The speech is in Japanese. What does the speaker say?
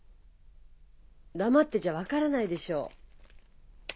黙ってちゃ分からないでしょ。